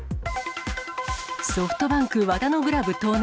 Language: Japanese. ソフトバンク、和田のグラブ盗難。